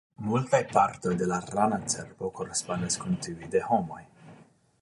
Multaj partoj de la rana cerbo korespondas kun tiuj de homoj.